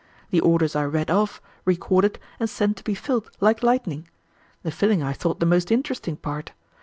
The orders are read off, recorded, and sent to be filled, like lightning. The filling I thought the most interesting part.